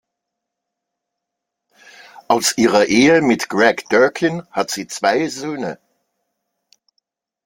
Aus ihrer Ehe mit Greg Durkin hat sie zwei Söhne.